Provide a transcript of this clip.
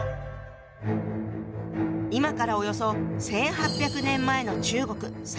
今からおよそ１，８００年前の中国三国時代。